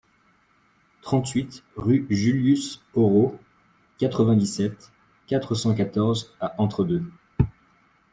trente-huit rue Julius Hoarau, quatre-vingt-dix-sept, quatre cent quatorze à Entre-Deux